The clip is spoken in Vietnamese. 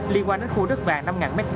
liên quan đến khu đất vàng năm m hai